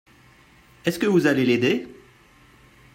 Est-ce que vous allez l'aider ?